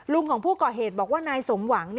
ของผู้ก่อเหตุบอกว่านายสมหวัง